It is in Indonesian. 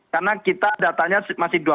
karena kita datanya masih dua belas tahun